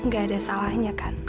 gak ada salahnya kan